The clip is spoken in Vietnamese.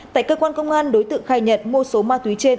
tại cơ quan công an đối tượng khai nhận mua số ma túy trên